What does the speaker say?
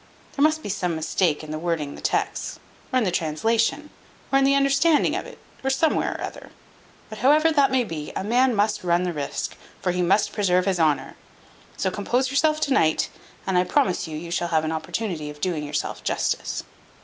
There must be some mistake in the wording the text, or in the translation, or in the understanding it, or somewhere or other. But however that be, a man must run the risque, for he must preserve his honour. So compose yourself to night, and I promise you you shall have an opportunity of doing yourself justice."